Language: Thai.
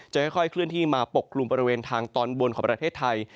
จะค่อยเคลื่อนที่มาปกกลุ่มบริเวณทางตอนบนของประเทศไทย